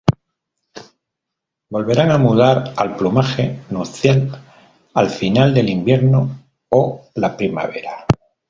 Volverán a mudar al plumaje nupcial al final del invierno o la primavera.